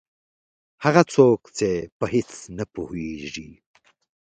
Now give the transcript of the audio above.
هغه څوک چې په هېڅ نه پوهېږي.